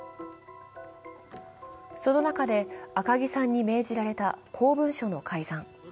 その中で赤木さんに命じられた公文書の改ざん。